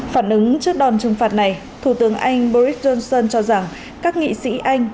phản ứng trước đòn trừng phạt này thủ tướng anh boris johnson cho rằng các nghị sĩ anh